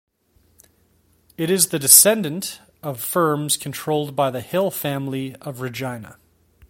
It is the descendant of firms controlled by the Hill family of Regina.